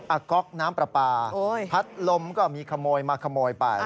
ก๊อกน้ำปลาปลาพัดลมก็มีขโมยมาขโมยไป